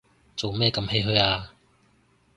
做咩咁唏噓啊